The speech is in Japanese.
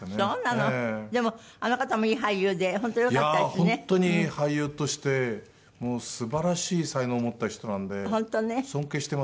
本当に俳優として素晴らしい才能を持った人なんで尊敬してます。